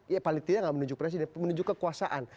ya paling tidak nggak menunjuk presiden menuju kekuasaan